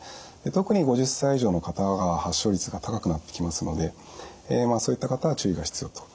特に５０歳以上の方が発症率が高くなってきますのでそういった方は注意が必要と。